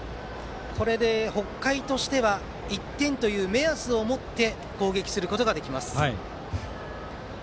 これで、北海としては１点という目安をもって攻撃することができます。